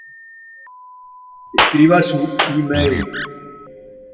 Escriba su email